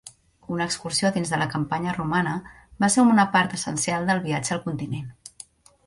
Una excursió dins de la campanya romana va ser una part essencial del viatge al continent.